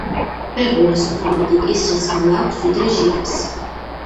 ბეღურას უფრო მეტი კისრის მალა აქვს, ვიდრე ჟირაფს.